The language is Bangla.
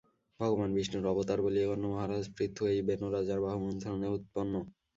ভগবান বিষ্ণুর অবতার বলিয়া গণ্য মহারাজ পৃথু এই বেণ-রাজার বাহুমন্থনে উৎপন্ন।